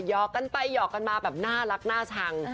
หอกกันไปหยอกกันมาแบบน่ารักน่าชัง